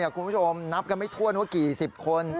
คุณผู้ชมนับกันไม่ถ้วนว่ากี่สิบคน